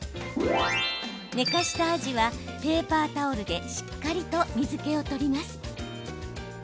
寝かしたアジはペーパータオルでしっかりと水けを取ります。